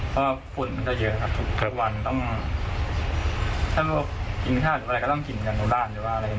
เพราะว่าฝุ่นมันจะเยอะครับทุกวันถ้าบอกว่าอินทรัพย์หรืออะไรก็ต้องกินอย่างโดร่าน